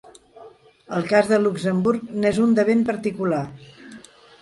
El cas de Luxemburg n’és un de ben particular.